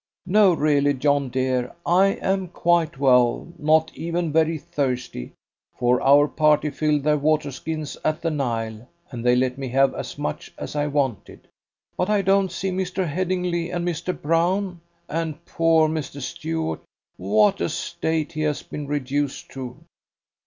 No, really, John, dear, I am quite well not even very thirsty, for our party filled their water skins at the Nile, and they let me have as much as I wanted. But I don't see Mr. Headingly and Mr. Brown. And poor Mr. Stuart what a state he has been reduced to!"